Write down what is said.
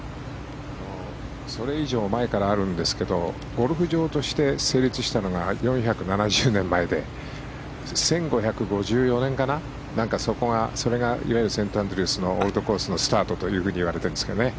それ以上前からあるんですけどゴルフ場として成立したのが４７０年前で１５５４年かな、それがいわゆるセントアンドリュースのオールドコースのスタートといわれているんですけどね。